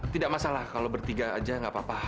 tidak masalah kalau bertiga aja nggak apa apa